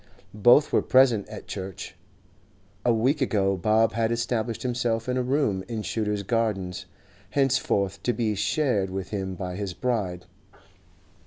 Both were present at church. A week ago Bob had established himself in a room in Shooter's Gardens, henceforth to be shared with him by his bride.